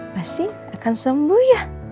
masih akan sembuh ya